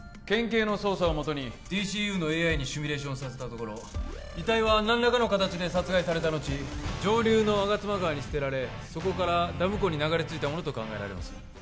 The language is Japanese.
県警の捜査をもとにＤＣＵのＡＩにシミュレーションさせたところ遺体は何らかの形で殺害されたのち上流の吾妻川に捨てられそこからダム湖に流れ着いたものと考えられます